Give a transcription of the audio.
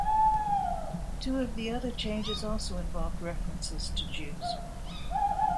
Two of the other changes also involved references to Jews.